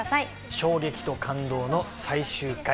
衝撃と感動の最終回。